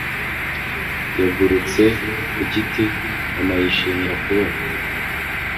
yagurutse ku giti, mama yishimira kubona